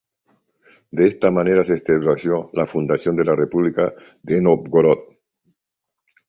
De esta manera se estableció la fundación de la República de Nóvgorod.